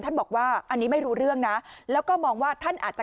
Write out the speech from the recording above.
บอกว่าอันนี้ไม่รู้เรื่องนะแล้วก็มองว่าท่านอาจจะ